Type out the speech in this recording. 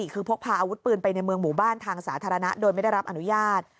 คือพกพาอาวุธปืนไปในเมืองหมู่บ้านทางสาธารณะโดยไม่ได้รับอนุญาต